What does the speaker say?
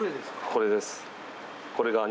これです。